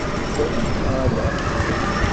Twalamt-t neɣ ala?